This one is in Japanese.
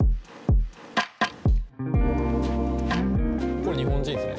これ日本人すね。